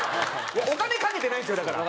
お金かけてないんですよだから。